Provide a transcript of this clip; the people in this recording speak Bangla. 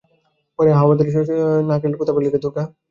পরে আহ্বাদের সহিত বলিল, নারকেল কোথা পেলি রে দুর্গা?